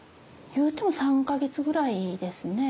言うても３か月ぐらいですね。